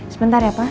sebentar ya pak